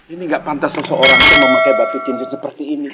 ini gak pantas seseorang memakai batu cincin seperti ini